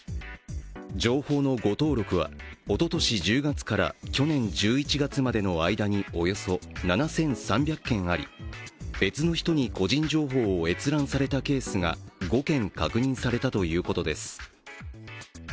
情報の誤登録はおととし１０月から去年１１月までの間におよそ７３００件あり、別の人に個人情報を閲覧されたケースが５件確認されたということです。